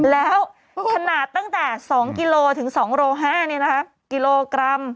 แล้วขนาดตั้งแต่๒๐๒๕กิโลกรัม